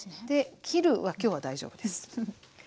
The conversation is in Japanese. で切るは今日は大丈夫です。